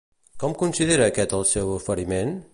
Com considera aquest el seu oferiment?